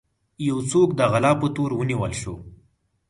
يو څوک د غلا په تور ونيول شو.